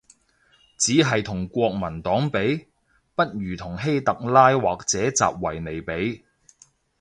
只係同國民黨比？，不如同希特拉或者習維尼比